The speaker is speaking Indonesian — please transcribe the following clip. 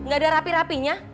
gak ada rapi rapinya